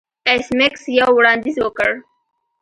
ایس میکس یو وړاندیز وکړ